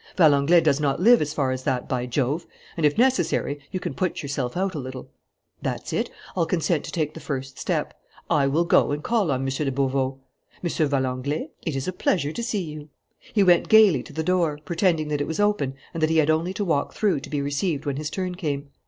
Valenglay does not live as far as that, by Jove! And, if necessary, you can put yourself out a little.... That's it: I'll consent to take the first step. I will go and call on M. de Beauveau. M. Valenglay, it is a pleasure to see you." He went gayly to the door, pretending that it was open and that he had only to walk through to be received when his turn came.